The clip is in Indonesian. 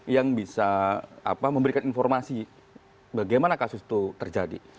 yang bisa memberikan informasi bagaimana kasus itu terjadi